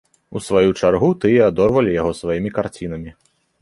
У сваю чаргу тыя адорвалі яго сваімі карцінамі.